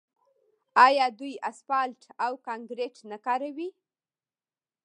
آیا دوی اسفالټ او کانکریټ نه کاروي؟